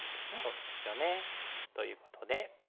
そうですよね。ということで。